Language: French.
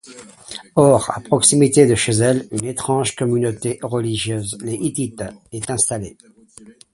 Or à proximité de chez elle, une étrange communauté religieuse, les Hittites; est installée.